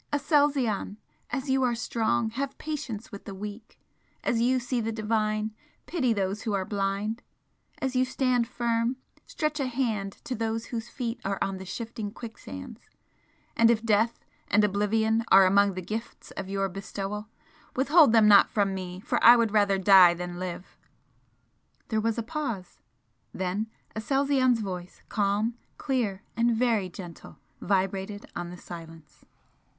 "Aselzion! As you are strong, have patience with the weak! As you see the Divine, pity those who are blind! As you stand firm, stretch a hand to those whose feet are on the shifting quicksands, and if death and oblivion are among the gifts of your bestowal, withhold them not from me, for I would rather die than live!" There was a pause. Then Aselzion's voice, calm, clear and very gentle, vibrated on the silence.